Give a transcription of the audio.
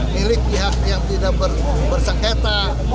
jadi milik pihak yang tidak bersangketa